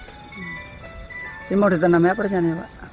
ini mau ditanam apa rencananya pak